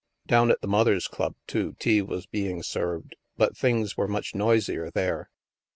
Down at the Mothers' Club, too, tea was being served, but things were much noisier there.